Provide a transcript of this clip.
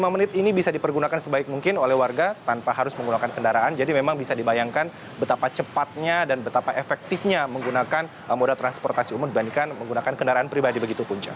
lima menit ini bisa dipergunakan sebaik mungkin oleh warga tanpa harus menggunakan kendaraan jadi memang bisa dibayangkan betapa cepatnya dan betapa efektifnya menggunakan moda transportasi umum dibandingkan menggunakan kendaraan pribadi begitu punca